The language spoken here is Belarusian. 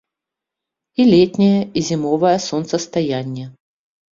І летняе, і зімовае сонцастаянне.